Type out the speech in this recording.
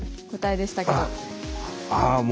ああもう。